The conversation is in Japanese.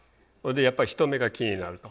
やっぱり人目が気になると。